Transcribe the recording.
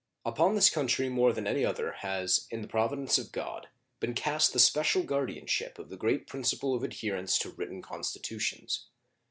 Upon this country more than any other has, in the providence of God, been cast the special guardianship of the great principle of adherence to written constitutions.